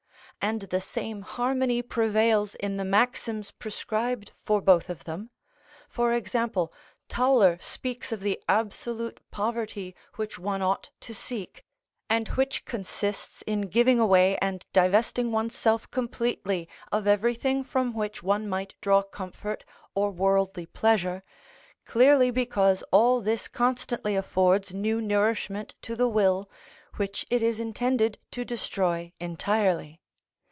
And the same harmony prevails in the maxims prescribed for both of them. For example, Tauler speaks of the absolute poverty which one ought to seek, and which consists in giving away and divesting oneself completely of everything from which one might draw comfort or worldly pleasure, clearly because all this constantly affords new nourishment to the will, which it is intended to destroy entirely.